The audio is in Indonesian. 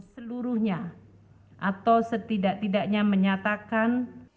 seluruhnya atau setidak tidaknya menyatakan